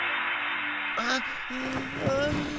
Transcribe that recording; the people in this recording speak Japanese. あっ。